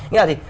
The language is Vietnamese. nghĩa là gì